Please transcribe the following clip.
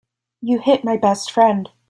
You hit my best friend.